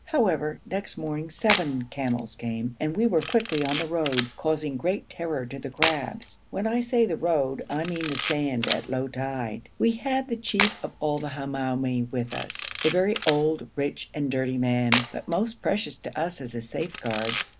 However, next morning seven camels came and we were quickly on the road, causing great terror to the crabs. When I say the road I mean the sand at low tide. We had the chief of all the Hamoumi with us, a very old, rich, and dirty man, but most precious to us as a safeguard.